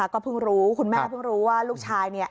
ก็เพิ่งรู้คุณแม่เพิ่งรู้ว่าลูกชายเนี่ย